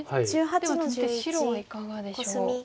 では続いて白はいかがでしょう？